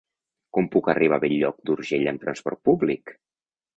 Com puc arribar a Bell-lloc d'Urgell amb trasport públic?